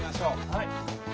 はい！